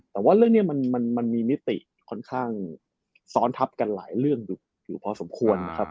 แต่ว่าเรื่องนี้มันมีมิติค่อนข้างซ้อนทับกันหลายเรื่องอยู่พอสมควรนะครับ